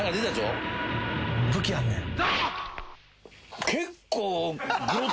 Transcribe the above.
武器あんねん。